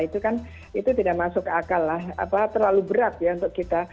itu kan tidak masuk akal lah terlalu berat ya untuk kita